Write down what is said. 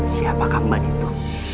siapakah mban itu